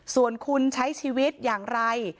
ส่วนคุณใช้ชีวิตอย่างไร